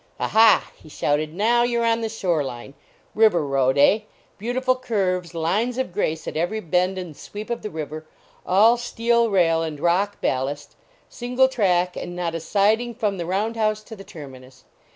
"Ah, ha!" he shouted, "now you re on the Shore line ! River Road, eh? Beautiful curves, lines of grace at every bend and sweep of the river; all steel rail and rock ballast; single track, and not a siding from the round house to the terminus.